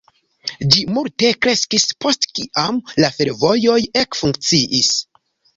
Ĝi multe kreskis post kiam la fervojoj ekfunkciis.